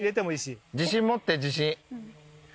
自信持って自信。